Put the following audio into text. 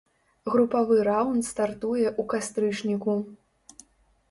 Групавы раўнд стартуе ў кастрычніку.